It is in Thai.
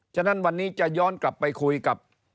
ฉะนั้นวันนี้จะย้อนกลับไปคุยกับ